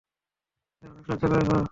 আমাদের অনেক সাহায্য করেছো।